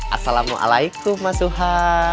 assalamu'alaikum mas suha